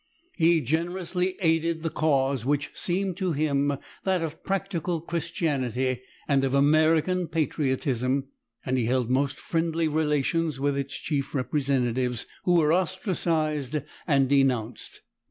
He generously aided the cause, which seemed to him that of practical Christianity and of American patriotism, and he held most friendly relations with its chief representatives, who were ostracized and denounced.